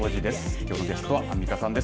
きょうのゲストはアンミカさんです。